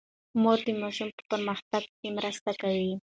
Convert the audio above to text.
مور د ماشومانو په پرمختګ کې مرسته کوي.